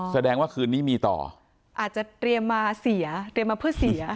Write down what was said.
แสดงว่าคืนนี้มีต่ออาจจะเตรียมมาเสียเตรียมมาเพื่อเสีย